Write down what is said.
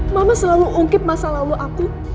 mama selalu ungkit masa lalu aku